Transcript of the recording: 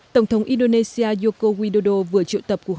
tổng thống indonesia yoko widodo vừa triệu tập của họ